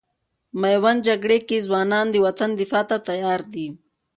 میوند جګړې کې ځوانان د وطن دفاع ته تیار دي.